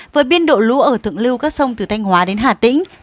với biên độ lũ ở thượng lưu các sông từ thanh hóa đến hà tĩnh